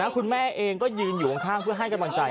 คุณแม่เองก็ยืนอยู่ข้างเพื่อให้กำลังใจ